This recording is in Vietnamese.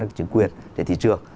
trí quyền trên thị trường